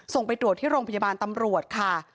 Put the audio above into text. ไปตรวจที่โรงพยาบาลตำรวจค่ะ